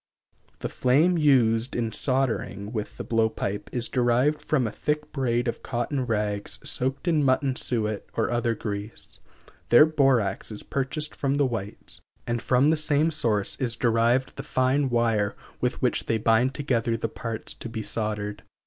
The flame used in soldering with the blow pipe is derived from a thick braid of cotton rags soaked in mutton suet or other grease. Their borax is purchased from the whites, and from the same source is derived the fine wire with which they bind together the parts to be soldered.